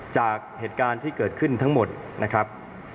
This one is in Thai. จากเหตุการณ์ที่เกิดขึ้นทั้งหมดนะครับ